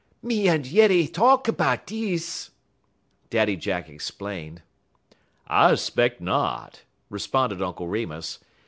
"Me yent yeddy tahlk 'bout dis," Daddy Jack explained. "I 'speck not," responded Uncle Remus.